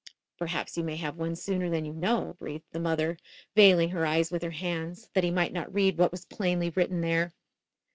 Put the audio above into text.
"Perhaps you may have one sooner than you know," breathed the mother, veiling her eyes with her hands, that he might not read what was plainly written there.